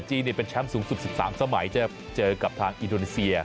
เป็นแชมป์สูงสุด๑๓สมัยจะเจอกับทางอินโดนีเซีย